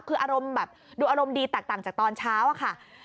คืออารมณ์แบบดูอารมณ์ดีแตกต่างจากตอนเช้าอะค่ะ